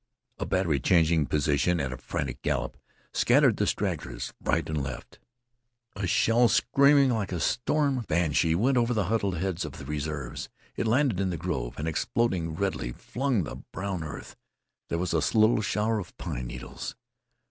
A battery changing position at a frantic gallop scattered the stragglers right and left. A shell screaming like a storm banshee went over the huddled heads of the reserves. It landed in the grove, and exploding redly flung the brown earth. There was a little shower of pine needles.